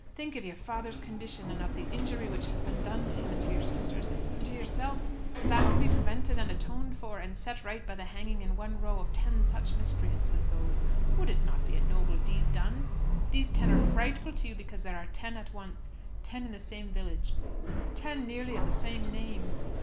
Think of your father's condition, and of the injury which has been done to him and to your sisters, and to yourself. If that could be prevented and atoned for, and set right by the hanging in one row of ten such miscreants as those, would it not be a noble deed done? These ten are frightful to you because there are ten at once, ten in the same village, ten nearly of the same name!